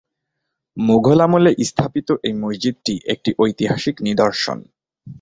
মুঘল আমলে স্থাপিত এই মসজিদটি একটি ঐতিহাসিক নিদর্শন।